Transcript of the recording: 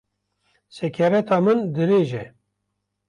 Sekereta min dirêj e